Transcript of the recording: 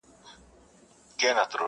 o موږکان ډېر دي حیران ورته سړی دی,